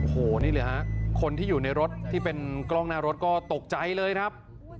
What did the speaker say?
โอ้โหนี่เลยฮะคนที่อยู่ในรถที่เป็นกล้องหน้ารถก็ตกใจเลยครับ